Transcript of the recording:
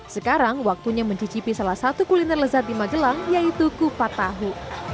sekarang waktunya mencicipi salah satu kuliner lezat di magelang yaitu kupat tahu